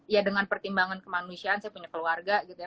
ya dengan pertimbangan kemanusiaan saya punya keluarga gitu ya